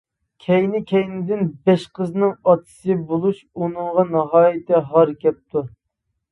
كەينى-كەينىدىن بەش قىزنىڭ ئاتىسى بولۇش ئۇنىڭغا ناھايىتى ھار كەپتۇ.